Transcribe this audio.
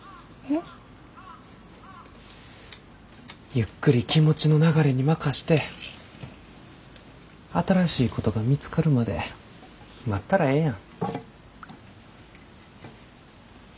ゆっくり気持ちの流れに任して新しいことが見つかるまで待ったらええやん。